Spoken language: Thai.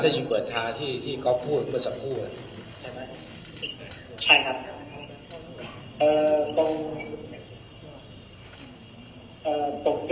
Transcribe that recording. ถ้ายิงกว่าท้าที่ที่ก๊อฟพูดกว่าสักคู่ใช่ไหมใช่ครับเอ่อผม